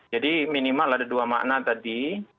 jadi minimal ada dua makna tadi